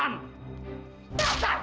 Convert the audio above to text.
jangan lupa untuk menikmati kemewahanmu